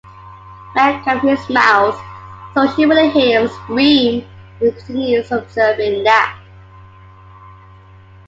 Mek covers his mouth, so she wouldn't hear him scream and continues observing Nak.